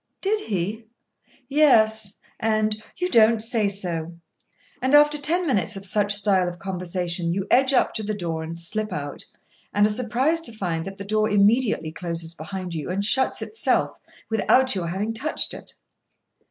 "Did he?" "Yes," and "You don't say so!" And, after ten minutes of such style of conversation, you edge up to the door, and slip out, and are surprised to find that the door immediately closes behind you, and shuts itself, without your having touched it.